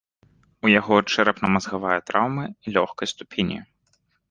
У яго чэрапна-мазгавая траўмы лёгкай ступені.